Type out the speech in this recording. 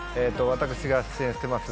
私が出演してます